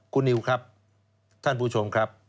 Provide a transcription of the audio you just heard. คุณนิวครับท่านผู้ชมครับ